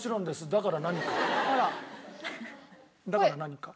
だから何か？